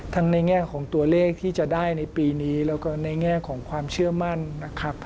ในแง่ของตัวเลขที่จะได้ในปีนี้แล้วก็ในแง่ของความเชื่อมั่นนะครับ